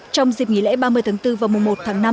trong dịp nghỉ lễ ba mươi tháng bốn và mùa một tháng năm